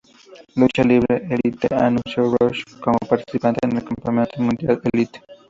Lucha Libre Elite anunció a Rush como participante en el Campeonato Mundial Elite.